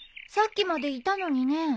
さっきまでいたのにね。